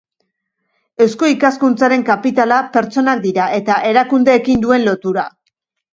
Eusko Ikaskuntzaren kapitala pertsonak dira eta erakundeekin duen lotura.